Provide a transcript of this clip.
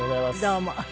どうも。